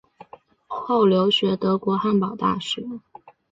后留学德国汉堡大学。